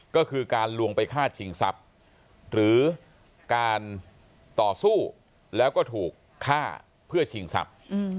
ก็คือการลวงไปฆ่าชิงทรัพย์หรือการต่อสู้แล้วก็ถูกฆ่าเพื่อชิงทรัพย์